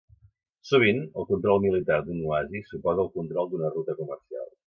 Sovint, el control militar d'un oasi suposa el control d'una ruta comercial.